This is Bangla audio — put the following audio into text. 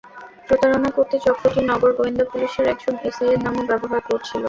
প্রতারণা করতে চক্রটি নগর গোয়েন্দা পুলিশের একজন এসআইয়ের নামও ব্যবহার করছিল।